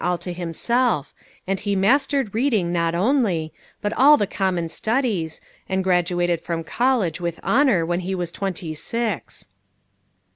all to himself, and he mastered reading, not only, but all the common studies, and graduated from college with honor when he was twenty six."